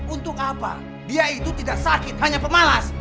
untuk apa dia itu tidak sakit hanya pemalas